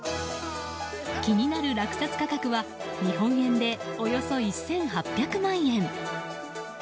気になる落札価格は日本円でおよそ１８００万円。